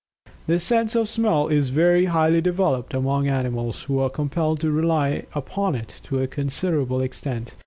The sense of Smell is very highly developed among animals, who are compelled to rely upon it to a considerable extent.